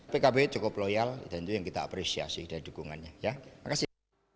pkb cukup loyal dan itu yang kita apresiasi dan dukungannya ya makasih